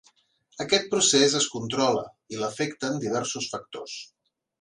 Aquest procés es controla i l'afecten diversos factors.